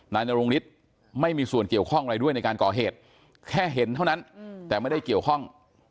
นายนรงฤทธิ์ไม่มีส่วนเกี่ยวข้องอะไรด้วยในการก่อเหตุแค่เห็นเท่านั้นแต่ไม่ได้เกี่ยวข้อง